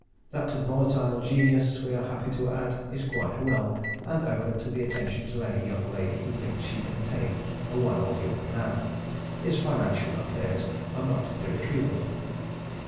That volatile genius, we are happy to add, is quite well, and open to the attentions of any young lady who thinks she can tame a wild young man. His financial affairs are not irretrievable.